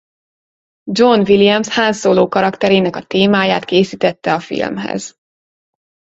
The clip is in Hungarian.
John Williams Han Solo karakterének a témáját készítette a filmhez.